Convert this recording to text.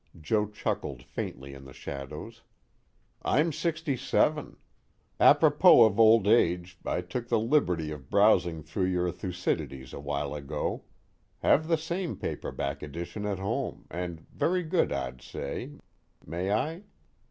Joe chuckled faintly in the shadows. "I'm sixty seven. Apropos of old age, I took the liberty of browsing through your Thucydides a while ago have the same paperback edition at home, and very good, I'd say may I?"